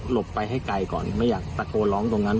ไปให้ไกลก่อนไม่อยากตะโกนร้องตรงนั้น